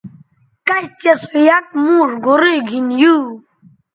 کش چہء سو یک موݜ گورئ گِھن یو